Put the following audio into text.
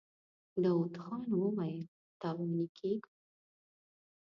داوود خان وويل: تاواني کېږو.